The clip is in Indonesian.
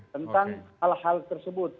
tentang hal hal tersebut